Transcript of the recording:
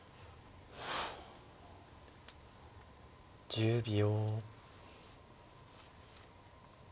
１０秒。